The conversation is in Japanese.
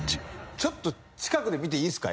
ちょっと近くで見ていいですか？